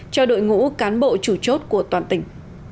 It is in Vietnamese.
cho đội ngũ cán bộ chủ chốt của toàn tỉnh